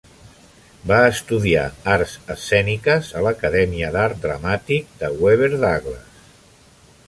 Es va estudiar arts escèniques a l'Acadèmia d'Art Dramàtic de Webber Douglas.